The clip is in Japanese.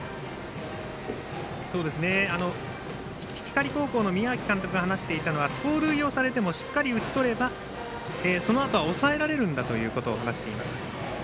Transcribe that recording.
光高校の宮秋監督が話していたのは盗塁をされてもしっかり打ち取ればそのあとは抑えられるんだということを話しています。